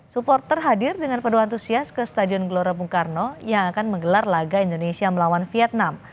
supporter hadir dengan penuh antusias ke stadion gelora bung karno yang akan menggelar laga indonesia melawan vietnam